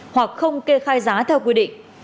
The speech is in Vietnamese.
hoặc không kê khai giá theo quy định